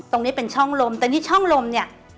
ตรงนี้เป็นช่องลมแต่นี่ช่องลมเนี่ย